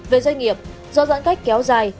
về doanh nghiệp do giãn cách kéo dài